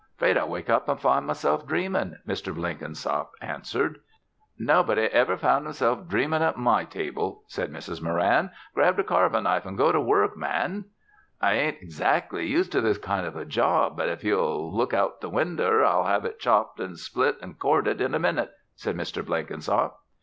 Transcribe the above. "'Fraid I'll wake up an' find myself dreamin'," Mr. Blenkinsop answered. "Nobody ever found himself dreamin' at my table," said Mrs. Moran. "Grab the carvin' knife an' go to wurruk, man." "I ain't eggzac'ly used to this kind of a job, but if you'll look out o' the winder, I'll have it chopped an' split an' corded in a minute," said Mr. Blenkinsop.